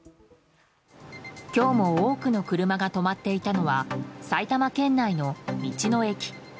今日も多くの車が止まっていたのは埼玉県内の道の駅。